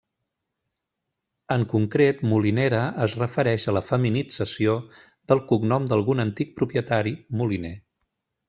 En concret Molinera es refereix a la feminització del cognom d’algun antic propietari, Moliner.